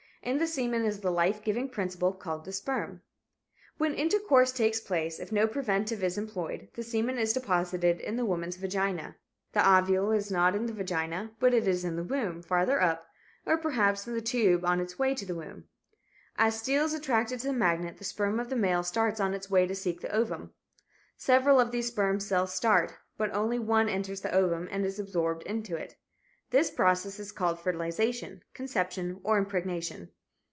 In the semen is the life giving principle called the sperm. When intercourse takes place, if no preventive is employed, the semen is deposited in the woman's vagina. The ovule is not in the vagina, but is in the womb, farther up, or perhaps in the tube on its way to the womb. As steel is attracted to the magnet, the sperm of the male starts on its way to seek the ovum. Several of these sperm cells start, but only one enters the ovum and is absorbed into it. This process is called fertilization, conception or impregnation.